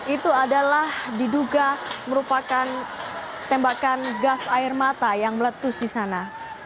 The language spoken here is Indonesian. itu adalah diduga merupakan tembakan gas air mata yang meletus di sana